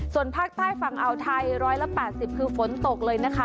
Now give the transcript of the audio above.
ส่วนภาคใต้ฝั่งเอาไทยร้อยละแปดสิบคือฝนตกเลยนะคะ